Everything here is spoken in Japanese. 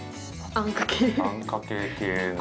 あんかけ系の。